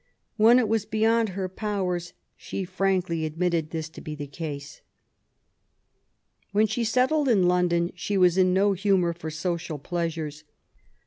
When it was beyond her powers, she frankly admitted this to be the case. When she settled in London, she was in no humour for social pleasures.